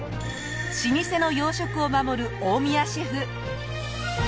老舗の洋食を守る大宮シェフ。